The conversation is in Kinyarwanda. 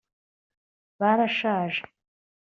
barashaje